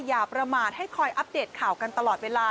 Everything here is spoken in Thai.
อย่าประมาทให้คอยอัปเดตข่าวกันตลอดเวลา